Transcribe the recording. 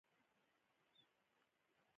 دا کار په پیل کې په دې شکل ترسره کېده